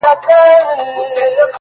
• څومره دي ښايست ورباندي ټك واهه؛